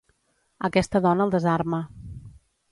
Aquesta dona el desarma.